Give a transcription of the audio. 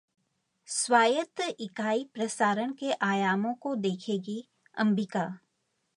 स्वायत्त इकाई प्रसारण के आयामों को देखेगी: अंबिका